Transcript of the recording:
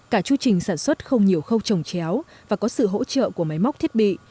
cả chưu trình sản xuất không nhiều khâu trồng chéo và có sự hỗ trợ của máy móc thiết bị